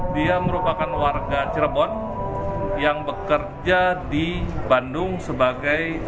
dia merupakan warga cirebon yang bekerja di bandung sebagai